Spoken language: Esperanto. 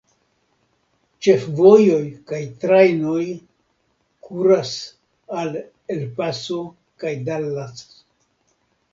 Ĉefvojoj kaj trajnoj kuras al El Paso kaj Dallas.